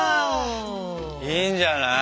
いいんじゃない？